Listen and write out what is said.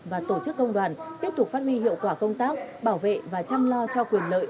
và tổ chức công đoàn tiếp tục phát huy hiệu quả công tác bảo vệ và chăm lo cho quyền lợi